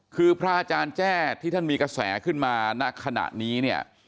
คือพระอาจารย์แจ้ที่ท่านมีกระแสขึ้นมาณขณะนี้เนี่ย